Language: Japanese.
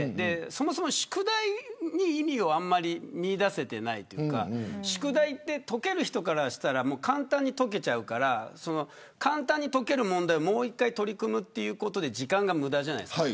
そもそも宿題に意味をあまり見いだせていないというか宿題は解ける人からしたら簡単に解けちゃうから簡単に解ける問題をもう一回取り組むということで時間が無駄じゃないですか。